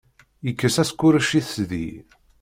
Yekkes askurec-is deg-i.